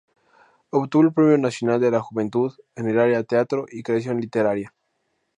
Obtuvo el Premio Nacional de la Juventud en el área teatro y creación literaria.